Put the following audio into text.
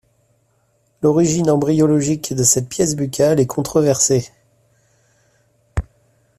L'origine embryologique de cette pièce buccale est controversée.